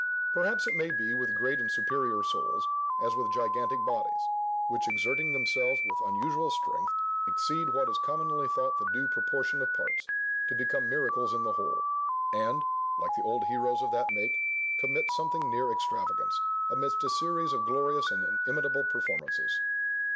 Perhaps it may be with great and superior souls, as with gigantic bodies, which, exerting themselves with unusual strength, exceed what is commonly thought the due proportion of parts, to become miracles in the whole; and, like the old heroes of that make, commit something near extravagance, amidst a series of glorious and inimitable performances.